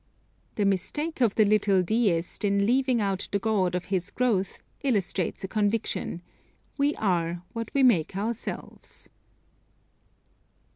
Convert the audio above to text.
The mistake of the little deist in leaving out the God of his growth illustrates a conviction: We are what we make ourselves.